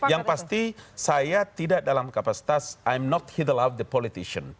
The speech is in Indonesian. yang pasti saya tidak dalam kapasitas